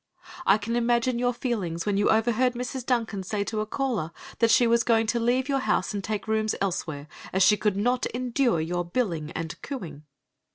I can imagine your feelings when you overheard Mrs. Duncan say to a caller that she was going to leave your house and take rooms elsewhere, as she could not endure your "billing and cooing."